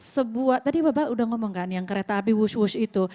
sebuah tadi bapak sudah ngomong kan yang kereta api wush wush itu